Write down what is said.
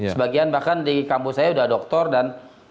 sebagian bahkan di kampus saya sudah doktor dan